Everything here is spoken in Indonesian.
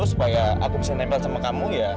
supaya aku bisa nempel sama kamu ya